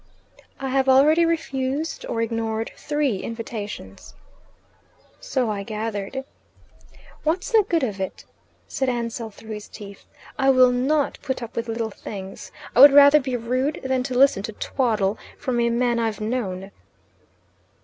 "I have already refused or ignored three invitations." "So I gathered." "What's the good of it?" said Ansell through his teeth. "I will not put up with little things. I would rather be rude than to listen to twaddle from a man I've known.